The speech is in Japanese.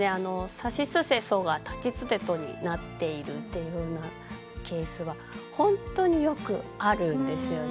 「さしすせそ」が「たちつてと」になっているというようなケースはほんとによくあるんですよね。